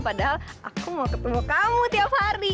padahal aku mau ketemu kamu tiap hari